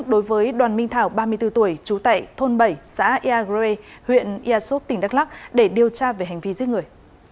đối với đoàn minh thảo ba mươi bốn tuổi trú tại thôn bảy xã eagre huyện iasop tỉnh đắk lắk để điều tra về hành vi giết người